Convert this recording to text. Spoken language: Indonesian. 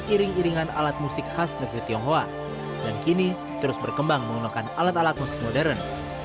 iring iringan alat musik khas negeri tionghoa dan kini terus berkembang menggunakan alat alat musik modern